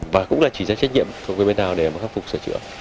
và cũng là chỉ ra trách nhiệm không biết bên nào để khắc phục sở trưởng